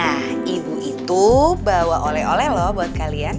nah ibu itu bawa oleh oleh loh buat kalian